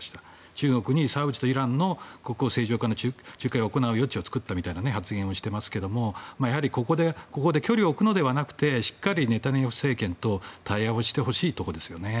中国にサウジとイランの国交正常化の仲介を行う余地を作ったという発言をしていますがここで距離を置くのではなくしっかりネタニヤフ政権と対話をしてほしいところですよね。